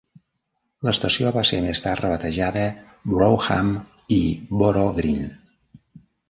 L'estació va ser més tard rebatejada Wrotham i Boro Green.